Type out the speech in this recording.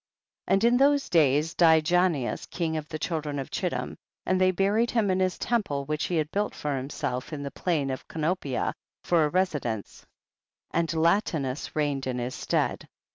6. And in those days died Janeas king of the children of Chittim, and tliey buried him in his temple which he "had built for himself in the plain of Canopia for a residence, and Lati niis reigned in his stead.